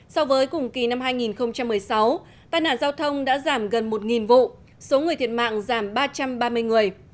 so với cùng kỳ năm hai nghìn một mươi sáu tai nạn giao thông đã giảm gần một vụ số người thiệt mạng giảm ba trăm ba mươi người